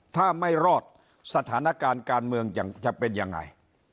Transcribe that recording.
ถ้าไม่รอดสถานการณ์การเมืองจะเป็นยังไง